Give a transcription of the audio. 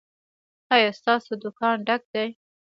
ایا ستاسو دکان ډک دی؟